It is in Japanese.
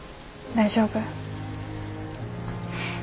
大丈夫。